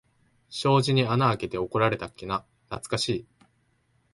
障子に穴あけて怒られたっけな、なつかしい。